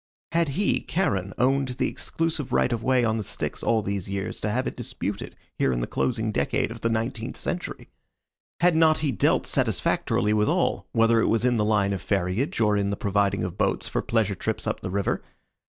Had he, Charon, owned the exclusive right of way on the Styx all these years to have it disputed here in the closing decade of the Nineteenth Century? Had not he dealt satisfactorily with all, whether it was in the line of ferriage or in the providing of boats for pleasure trips up the river?